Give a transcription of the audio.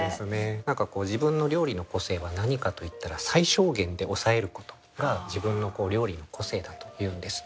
何か自分の料理の個性は何かといったら最小限で抑えることが自分の料理の個性だというんです。